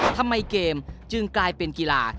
ทำไมเกมจึงกลายเป็นกีฬา